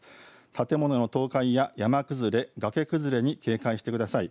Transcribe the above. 建物の倒壊や山崩れ、崖崩れに警戒してください。